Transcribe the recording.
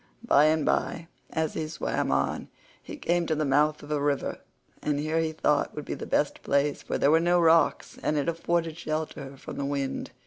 By and by, as he swam on, he came to the mouth of a river, and here he thought would be the best place, for there were no rocks, and it afforded shelter from the wind.